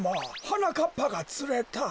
はなかっぱがつれた。